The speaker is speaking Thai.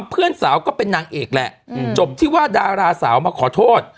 เพื่อนสาวก็เป็นนางเอกแหละจบที่ว่าดาราสาวมาขอโทษ